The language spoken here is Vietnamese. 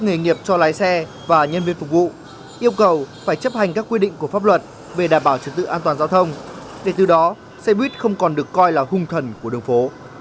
nghề nghiệp cho lái xe và nhân viên phục vụ yêu cầu phải chấp hành các quy định của pháp luật về đảm bảo trật tự an toàn giao thông để từ đó xe buýt không còn được coi là hung thần của đường phố